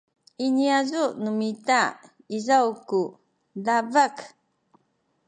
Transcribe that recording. i niyazu’ nu mita izaw ku dabek